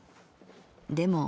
でも―――